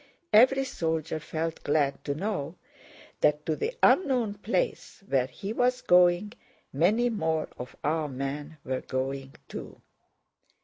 Every soldier felt glad to know that to the unknown place where he was going, many more of our men were going too.